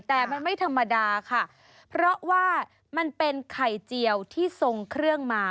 แต่มันไม่ธรรมดาค่ะเพราะว่ามันเป็นไข่เจียวที่ทรงเครื่องมา